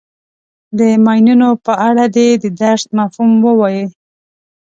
د ماینونو په اړه دې د درس مفهوم ووایي.